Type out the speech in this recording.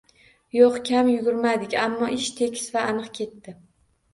Yo`q, kam yugurmadik, ammo ish tekis va aniq ketdi